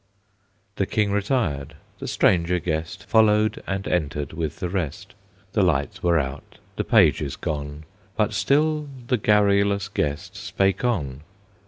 The King retired; the stranger guest Followed and entered with the rest; The lights were out, the pages gone, But still the garrulous guest spake on.